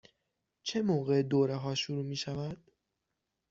چه موقع دوره ها شروع می شود؟